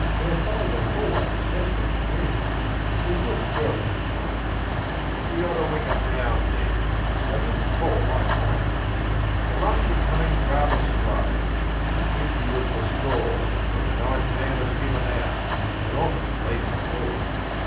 Our bowling always has been fair; we couldn't well complain; We got a wicket now and then they didn't fall like rain; But runs were coming rather slow, and fifty was the score When the ninth man was given out an honest "leg before."